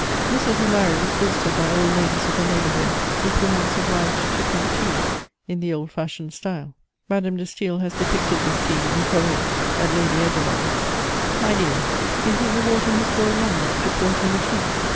Mrs. O'Larry was visited by old ladies of the neighbourhood with whom I was obliged to drink tea in the old fashioned style. Madame de Staël has depicted this scene in Corinne at Lady Edgermond's: "'My dear, do you think the water has boiled long enough to pour it on the tea?'